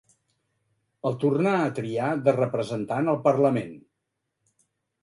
El tornà a triar de representant al Parlament.